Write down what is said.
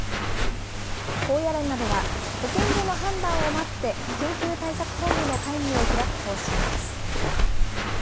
高野連などは、保健所の判断を待って、緊急対策本部の会議を開く方針です。